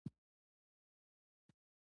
یوټوبر باید د مرکه ترسره کوونکي احترام وکړي.